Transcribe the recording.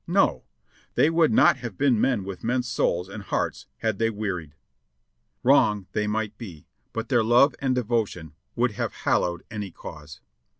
No! they would not have been men with men's souls and hearts, had they wearied. Wrong they might be, but their love and devotion would have hallowed any cause.